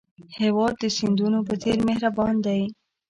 هېواد د سیندونو په څېر مهربان دی.